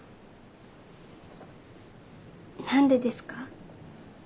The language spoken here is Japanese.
何でですか？